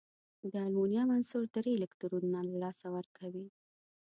د المونیم عنصر درې الکترونونه له لاسه ورکوي.